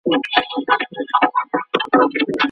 په لاس لیکل د نوي نسل د ویښتیا نښه ده.